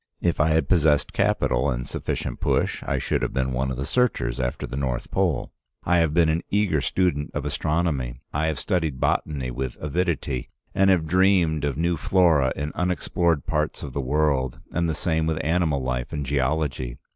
If I had possessed capital and sufficient push, I should have been one of the searchers after the North Pole. I have been an eager student of astronomy. I have studied botany with avidity, and have dreamed of new flora in unexplored parts of the world, and the same with animal life and geology.